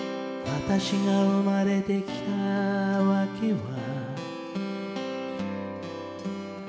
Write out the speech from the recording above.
「私が生まれてきた訳は」